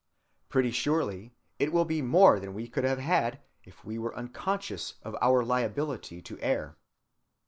Pretty surely it will be more than we could have had, if we were unconscious of our liability to err.